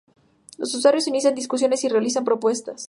Los usuarios inician discusiones y realizan propuestas.